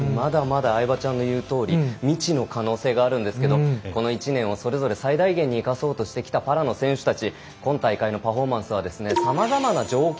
まだまだ相葉ちゃんの言うとおり未知の可能性があるんですけれども、この１年をそれぞれ最大限に生かそうとしてきたパラの選手たち。